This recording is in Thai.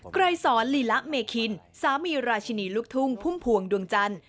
ไกรสอนลีละเมคินสามีราชินีลูกทุ่งพุ่มพวงดวงจันทร์